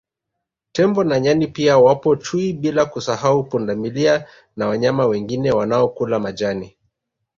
Tembo na Nyani pia wapo Chui bila kusahau Pundamilia na wanyama wengine wanaokula majani